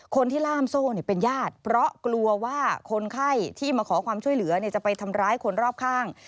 คนที่ล่ามโซ่เป็นญาติเพราะกลัวว่าคนไข้ที่มาขอความช่วยเหลือจะไปทำร้ายคนรอบข้าง